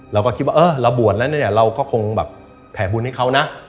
เราก็คิดว่าเออเราบวชแล้วเนี่ยเราก็คงแบบแผ่บุญให้เขานะ